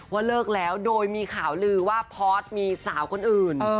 ว่าเลิกแล้วโดยมีข่าวลือว่าพอร์ตมีสาวคนอื่น